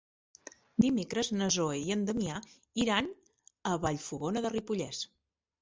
Dimecres na Zoè i en Damià iran a Vallfogona de Ripollès.